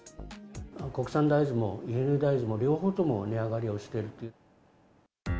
国産大豆も輸入大豆も、両方とも値上がりをしているという。